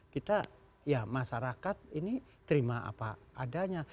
kita ya masyarakat ini terima apa adanya